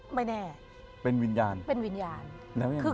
ไม่แน่เป็นวิญญาณแล้วยังไง